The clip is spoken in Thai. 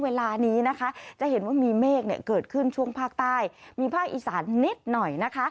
เวลานี้นะจะเห็นว่ามีเมฆเกิดขึ้นช่วงภาคใต้เนี้ย